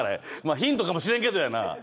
ヒントかもしれんけどな。